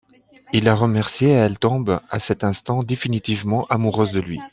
Il la remercie et elle tombe à cet instant définitivement amoureuse de lui.